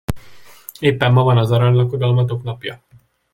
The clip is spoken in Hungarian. Éppen ma van az aranylakodalmatok napja!